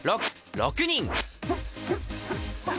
６人！